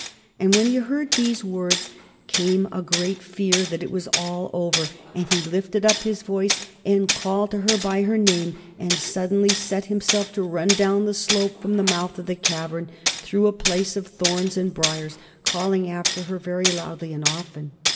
And when he heard these words, came a great fear that it was all over, and he lifted up his voice and called to her by her name, and suddenly set himself to run down the slope from the mouth of the cavern, through a place of thorns and briers, calling after her very loudly and often.